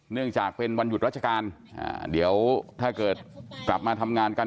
เนื่องจากเป็นวันหยุดราชการเดี๋ยวถ้าเกิดกลับมาทำงานกัน